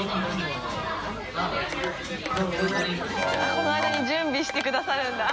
このあいだに準備してくださるんだ。